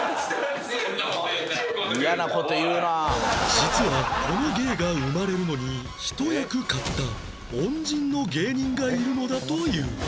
実はこの芸が生まれるのにひと役買った恩人の芸人がいるのだという